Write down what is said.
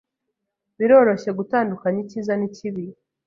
Biroroshye gutandukanya icyiza n'ikibi.